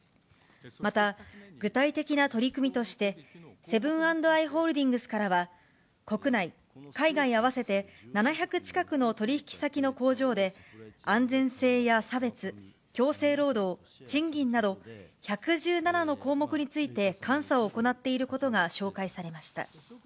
また、具体的な取り組みとして、セブン＆アイ・ホールディングスからは、国内、海外合わせて７００近くの取り引き先の工場で、安全性や差別、強制労働、賃金など１１７の項目について監査を行っていることが紹介されました。